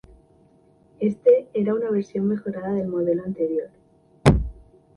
Este era una versión mejorada del modelo anterior.